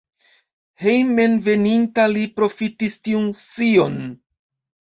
Hejmenveninta li profitis tiun scion.